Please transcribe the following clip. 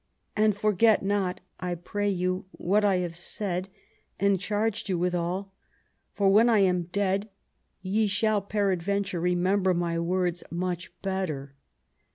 And forget not, I pray you, what I have said and charged you withal, for when I am dead ye shall peradventure remember my words much better."